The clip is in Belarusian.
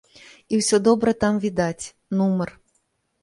І усё добра там відаць, нумар.